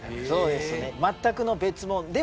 そうですね全くの別もの。